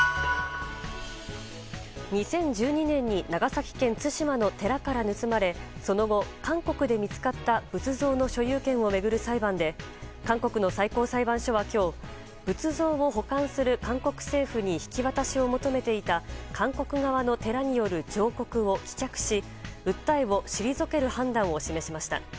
２０１２年に長崎県対馬の寺から盗まれその後、韓国で見つかった仏像の所有権を巡る裁判で韓国の最高裁判所は今日仏像を保管する韓国政府に引き渡しを求めていた韓国側の寺による上告を棄却し訴えを退ける判断を示しました。